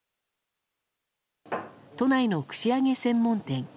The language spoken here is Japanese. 都内の串揚げ専門店。